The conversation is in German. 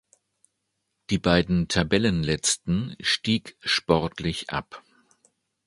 Die beiden Tabellenletzten stieg sportlich ab.